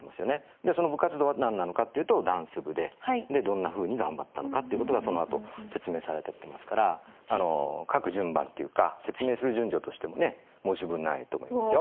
でその部活動は何なのかっていうとダンス部でどんなふうに頑張ったのかっていう事がそのあと説明されてってますから書く順番っていうか説明する順序としてもね申し分ないと思いますよ。